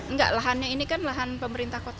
enggak lahannya ini kan lahan pemerintah kota